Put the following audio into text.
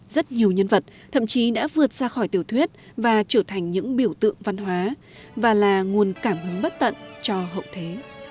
rất nhiều nhân vật thậm chí đã vượt ra khỏi tiểu thuyết và trở thành những biểu tượng văn hóa và là nguồn cảm hứng bất tận cho hậu thế